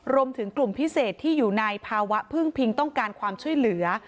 รวมถึงกลุ่มพิเศษที่อยู่ในภาวะพึ่งพิงต้องการความช่วยเหลือ